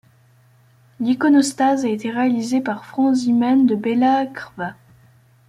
L'iconostase a été réalisée par Franz Zimmann de Bela Crkva.